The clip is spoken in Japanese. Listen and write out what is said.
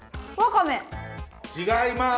違います。